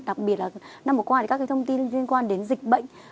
đặc biệt là năm vừa qua thì các thông tin liên quan đến dịch bệnh